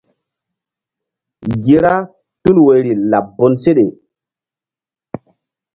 ́U gi ra tul woyri laɓ bonseɗe.